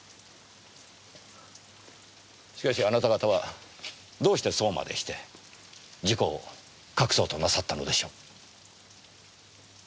しかしあなた方はどうしてそうまでして事故を隠そうとなさったのでしょう？